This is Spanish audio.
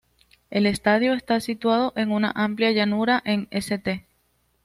El estadio está situado en una amplia llanura en St.